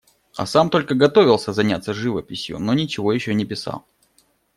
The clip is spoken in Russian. А сам только готовился заняться живописью, но ничего еще не писал.